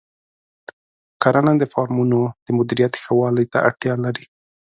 کرنه د فارمونو د مدیریت ښه والي ته اړتیا لري.